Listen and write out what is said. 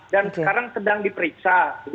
dan sekarang sedang diperiksa